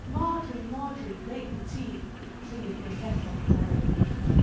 Margery, Margery, make the tea, Singeth the kettle merrily.